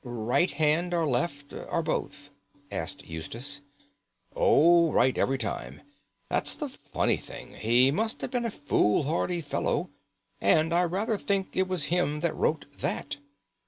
"Right hand or left, or both?" asked Eustace. "Oh, right every time. That's the funny thing. He must have been a foolhardy fellow, and I rather think it was him that wrote that."